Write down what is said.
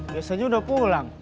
biasanya udah pulang